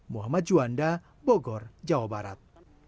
muhammad juanda bogor jawa barat